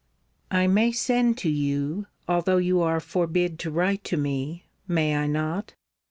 I may send to you, although you are forbid to write to me; may I not?